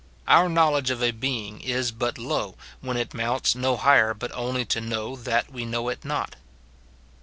Our knowledge of a being is but low when it mounts no higher but only to know that we know it not.